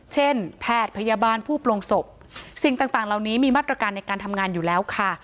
เช่นแพทย์พยาบาลผู้ปลงศพสิ่งต่างเหล่านี้มีมาตรการในการทำงานอยู่แล้วค่ะ